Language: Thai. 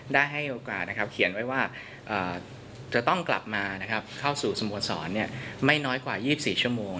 ได้ให้โอกาสเขียนไว้ว่าจะต้องกลับมาเข้าสู่สโมสรไม่น้อยกว่า๒๔ชั่วโมง